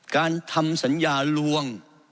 การทำสัญญาลวง